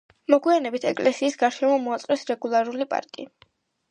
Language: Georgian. მოგვიანებით ეკლესიის გარშემო მოაწყვეს რეგულარული პარკი.